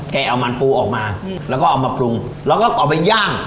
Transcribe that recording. แกเอามันปูออกมาแล้วก็เอามาปรุงแล้วก็เอาไปย่าง